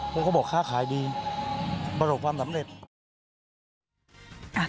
ผมก็บอกค่าขายดีประสบความสำเร็จ